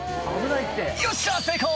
「よっしゃ成功！」